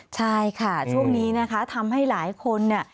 ใช่ค่ะช่วงนี้ทำให้หลายคน